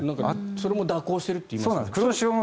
それも蛇行してるって言いますね。